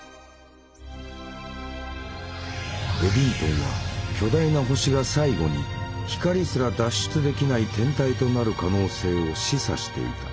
エディントンは巨大な星が最後に光すら脱出できない天体となる可能性を示唆していた。